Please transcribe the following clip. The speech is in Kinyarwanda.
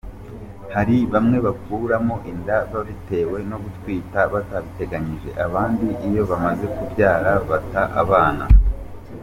Hari bamwe bakuramo inda babitewe no gutwita batabiteganyije, abandi iyo bamaze kubyara bata abana.